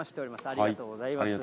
ありがとうございます。